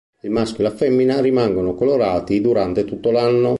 Il maschio e la femmina rimangono colorati durante tutto l'anno.